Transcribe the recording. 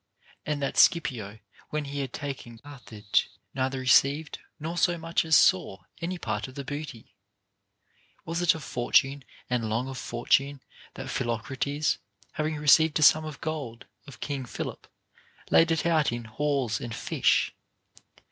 And that Scipio, when he had taken Carthage, neither received nor so much as saw any part of the booty \ Was it of Fortune and long of Fortune that Philocrates, having received a sum of gold of King Philip, laid it out in whores and fish